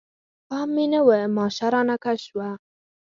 پام مې نه و، ماشه رانه کش شوه.